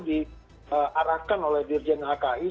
diarahkan oleh dirjen haji